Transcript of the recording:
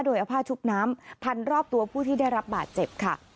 โดยเอาผ้าชุบน้ำพันรอบตัวผู้ที่ได้รับบาดเจ็บค่ะ